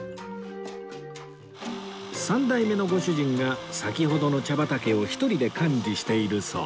三代目のご主人が先ほどの茶畑を１人で管理しているそう